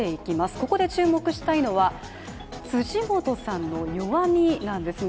ここで注目したいのは、辻元さんの弱みなんですね。